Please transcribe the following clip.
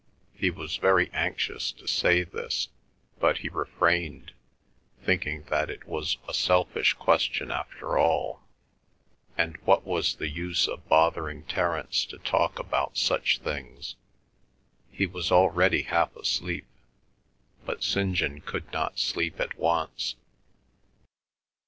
He was very anxious to say this, but he refrained, thinking that it was a selfish question after all, and what was the use of bothering Terence to talk about such things? He was already half asleep. But St. John could not sleep at once.